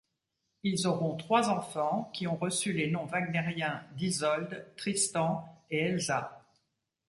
Ils auront trois enfants, qui ont reçu les noms wagnériens d'Isolde, Tristan et Elsa.